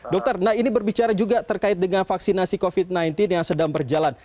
dokter nah ini berbicara juga terkait dengan vaksinasi covid sembilan belas yang sedang berjalan